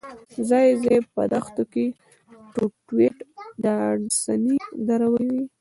ځای ځای په دښتو کې ټویوټا ډاډسنې درولې وې.